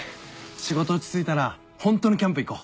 仕事落ち着いたらホントのキャンプ行こう